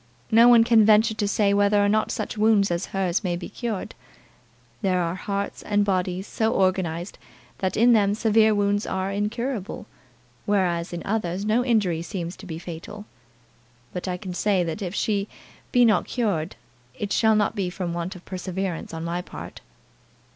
No one can venture to say whether or not such wounds as hers may be cured. There are hearts and bodies so organized, that in them severe wounds are incurable, whereas in others no injury seems to be fatal. But I can say that if she be not cured it shall not be from want of perseverance on my part."